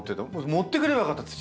持ってくればよかった土。